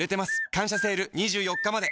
「感謝セール」２４日まで